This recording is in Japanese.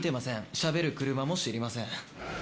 しゃべる車も知りません。